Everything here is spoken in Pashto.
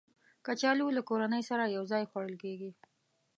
کچالو له کورنۍ سره یو ځای خوړل کېږي